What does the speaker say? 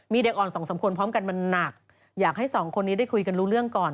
มีเด็กอ่อนสองสามคนพร้อมกันมันหนักอยากให้สองคนนี้ได้คุยกันรู้เรื่องก่อน